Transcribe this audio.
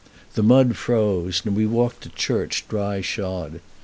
The mud froze, and we walked to church dry shod.